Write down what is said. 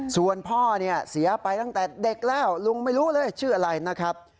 ส่วนพ่อเนี่ยเสียไปตั้งแต่เด็กแล้วลุงไม่รู้เลยชื่ออะไรนะครับ